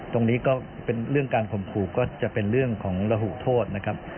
ตรงนี้ก็เป็นเรื่องการข่มขู่ก็จะเป็นเรื่องของระหุโทษนะครับ